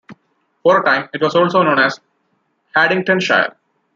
For a time, it was also known as Haddingtonshire.